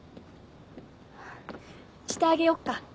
してあげよっか。